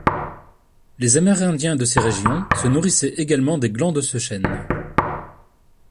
Les Amérindiens de ces régions se nourrissaient également des glands de ce chêne.